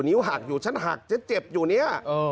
นิ้วหักอยู่ฉันหักจะเจ็บอยู่เนี่ย